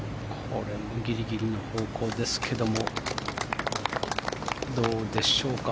これもギリギリの方向ですけどどうでしょうか。